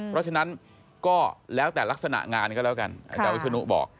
เพราะฉะนั้นก็แล้วแต่ลักษณะงานก็แล้วกันอาจารย์วิศนุบอก